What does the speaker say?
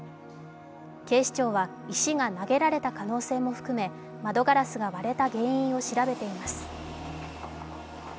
警視庁は石が投げられた可能性も含め窓ガラスが割れた原因を調べています。